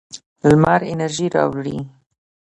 لمر انرژي راوړي.